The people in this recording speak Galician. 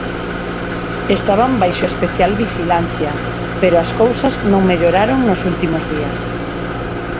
Estaban baixo especial vixilancia, pero as cousas non melloraron nos últimos días.